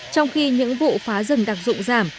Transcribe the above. trong khi những vụ phá rừng đặc dụng giảm